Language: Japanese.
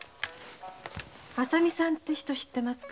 浅見さんて人知ってますか？